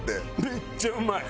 めっちゃうまい！